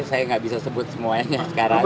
saya nggak bisa sebut semuanya sekarang